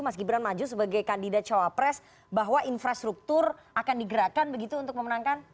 mas gibran maju sebagai kandidat cawapres bahwa infrastruktur akan digerakkan begitu untuk memenangkan